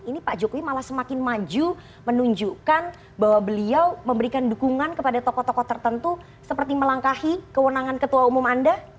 ini pak jokowi malah semakin maju menunjukkan bahwa beliau memberikan dukungan kepada tokoh tokoh tertentu seperti melangkahi kewenangan ketua umum anda